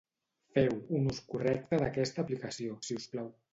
Feu un ús correcte d'aquesta aplicació, siusplau